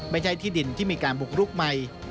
ไม่ใช่ที่ดินที่มีการบุกรุกใหม่